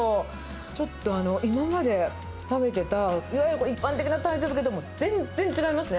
ちょっと、今まで食べてた、いわゆる一般的なタイ茶漬けとも全然違いますね。